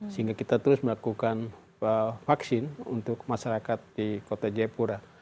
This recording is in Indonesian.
sehingga kita terus melakukan vaksin untuk masyarakat di kota jayapura